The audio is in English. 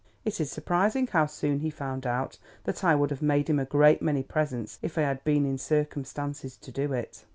It is surprising how soon he found out that I would have made him a great many presents if I had been in circumstances to do it.